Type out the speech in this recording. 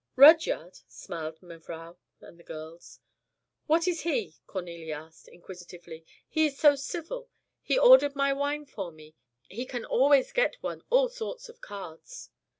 "Rudyard!" smiled mevrouw and the girls. "What is he?" Cornélie asked, inquisitively. "He is so civil, he ordered my wine for me, he can always get one all sorts of cards."